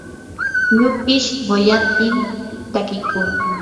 yukish quyatimi takiykun.